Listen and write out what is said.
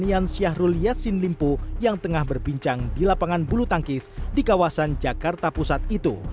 pertanian syahrul yassin limpo yang tengah berbincang di lapangan bulu tangkis di kawasan jakarta pusat itu